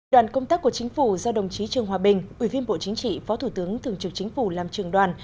đoàn công tác của chính phủ do đồng chí trương hòa bình ủy viên bộ chính trị phó thủ tướng thường trực chính phủ làm trường đoàn